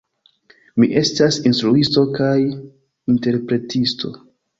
Mi estas instruisto kaj interpretisto.